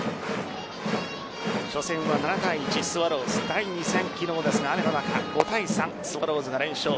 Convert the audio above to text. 初戦は７対１スワローズ第２戦昨日、雨の中５対３スワローズが連勝。